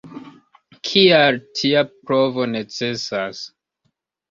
Kial tia provo necesas?